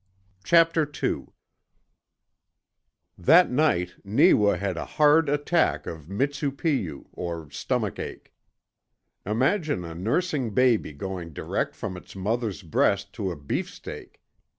CHAPTER TWO That night Neewa had a hard attack of Mistu puyew, or stomach ache. Imagine a nursing baby going direct from its mother's breast to a beefsteak!